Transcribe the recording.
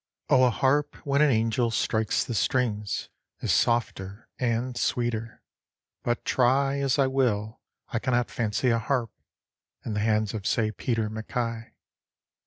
O a harp when an angel strikes the strings Is softer and sweeter, but try As I will, I cannot fancy a harp In the hands of, say, Peter MacKay.